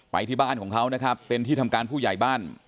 ที่บ้านของเขานะครับเป็นที่ทำการผู้ใหญ่บ้าน